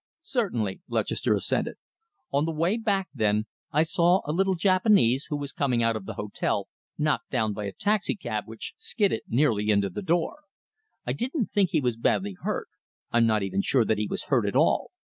"Certainly," Lutchester assented. "On the way back, then, I saw a little Japanese, who was coming out of the hotel, knocked down by a taxicab which skidded nearly into the door. I don't think he was badly hurt I'm not even sure that he was hurt at all.